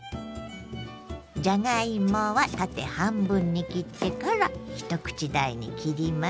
じゃがいもは縦半分に切ってから一口大に切ります。